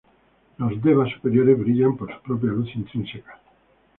Los deva superiores brillan con su propia luz intrínseca.